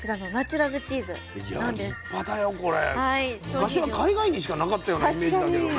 昔は海外にしか無かったようなイメージだけどね。